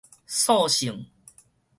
燥性